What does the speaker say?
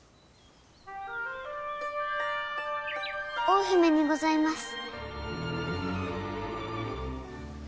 大姫にございます。